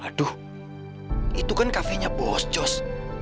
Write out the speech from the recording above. aduh itu kan kafe nya bos jos